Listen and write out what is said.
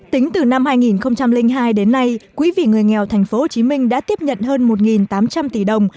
tính từ năm hai nghìn hai đến nay quỹ vì người nghèo tp hcm đã tiếp nhận hơn một tám trăm linh tỷ đồng